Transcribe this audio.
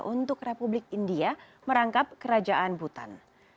untuk republik india merangkap kerajaan butan